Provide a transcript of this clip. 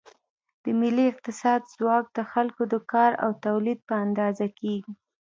د ملي اقتصاد ځواک د خلکو د کار او تولید په اندازه کېږي.